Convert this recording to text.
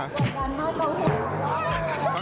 กดดันมากว่าเห็นค่ะ